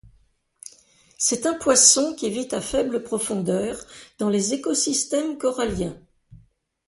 C'est un poisson qui vit à faible profondeur dans les écosystèmes coralliens.